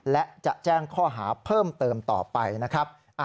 และจะแจ้งข้อหาเพิ่มเติมต่อไปนะครับ